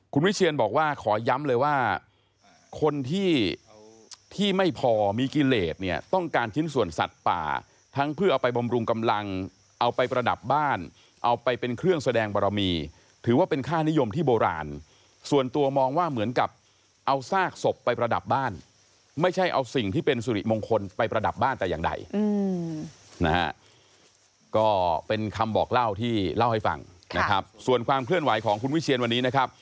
คุณวิเชียนบอกว่าขอย้ำเลยว่าคนที่ไม่พอมีกิเลสเนี่ยต้องการชิ้นส่วนสัตว์ป่าทั้งเพื่อเอาไปบำรุงกำลังเอาไปประดับบ้านเอาไปเป็นเครื่องแสดงประมีถือว่าเป็นค่านิยมที่โบราณส่วนตัวมองว่าเหมือนกับเอาซากศพไปประดับบ้านไม่ใช่เอาสิ่งที่เป็นสุริมงคลไปประดับบ้านแต่อย่างใดนะฮะก็เป็นคำบอกเล่า